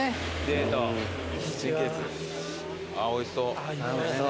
あっおいしそう。